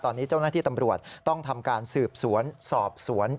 ตอนนี้เจ้าหน้าที่ตำรวจต้องทำการสืบสวนสอบสวน